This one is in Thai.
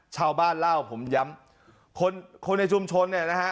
ชาวบ้านเล่าผมย้ำคนคนในชุมชนเนี่ยนะฮะ